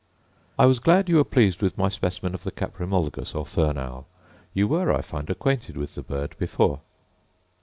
I was glad you were pleased with my specimen of the caprimulgus, or fern owl; you were, I find, acquainted with the bird before.